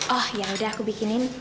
oh yaudah aku bikinin